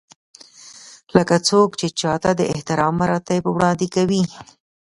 لکه څوک چې چاته د احترام مراتب وړاندې کوي.